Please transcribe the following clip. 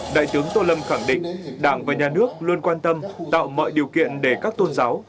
đại tướng tô lâm khẳng định đảng và nhà nước luôn quan tâm tạo mọi điều kiện để các tôn giáo